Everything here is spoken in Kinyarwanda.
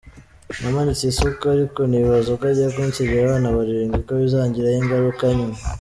Namanitse isuka ariko nibaza ko agiye kunsigira abana barindwi ko bizangiraho ingaruka nyuma.